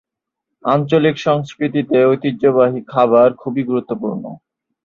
আঞ্চলিক সংস্কৃতিতে ঐতিহ্যবাহী খাবার খুবই গুরুত্বপূর্ণ।